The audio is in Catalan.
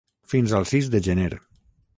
Fins al sis de gener.